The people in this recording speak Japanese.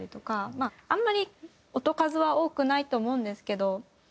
まああんまり音数は多くないと思うんですけど。